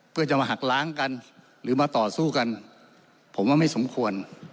เพื่อจะมาหักล้างกันหรือมาต่อสู้กันผมว่าไม่สมควร